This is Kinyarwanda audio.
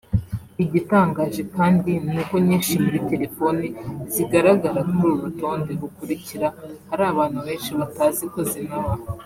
Igitangaje kandi nuko nyinshi muri telefoni zigaragara kuri uru rutonde rukurikira hari abantu benshi batazi ko zinabaho